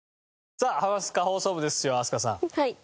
さあ『ハマスカ放送部』ですよ飛鳥さん。